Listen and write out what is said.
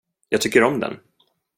Jag tycker om den.